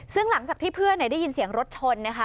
ซึ่งหลังจากที่เพื่อนได้ยินเสียงรถชนนะคะ